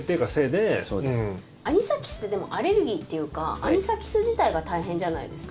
アニサキスってでも、アレルギーっていうかアニサキス自体が大変じゃないですか。